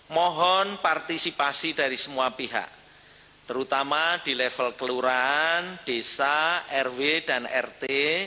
mohon partisipasi dari semua pihak terutama di level kelurahan desa rw dan rt